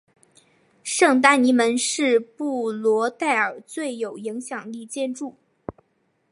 圣丹尼门是布隆代尔最有影响力建筑。